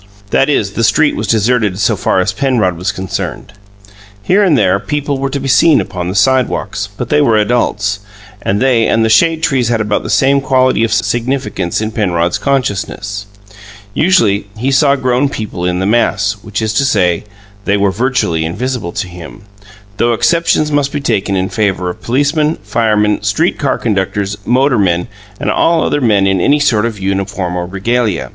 That is, the street was deserted so far as Penrod was concerned. Here and there people were to be seen upon the sidewalks, but they were adults, and they and the shade trees had about the same quality of significance in Penrod's consciousness. Usually he saw grown people in the mass, which is to say, they were virtually invisible to him, though exceptions must be taken in favour of policemen, firemen, street car conductors, motormen, and all other men in any sort of uniform or regalia.